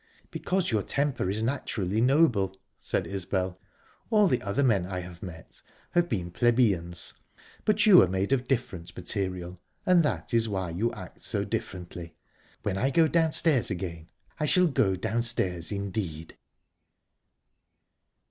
"Because your temper is naturally noble," said Isbel. "All the other men I have met have been plebeians, but you are made of different material, and that is why you act so differently...When I go downstairs again, I shall go downstairs indeed!..."